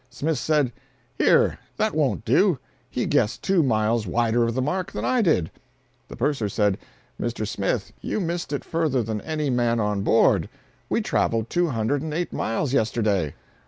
Smith said: "Here, that won't do! He guessed two miles wider of the mark than I did." The purser said, "Mr. Smith, you missed it further than any man on board. We traveled two hundred and eight miles yesterday."